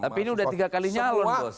tapi ini udah tiga kali nyalon